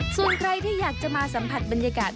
ส่วนใครที่อยากจะมาสัมผัสบรรยากาศ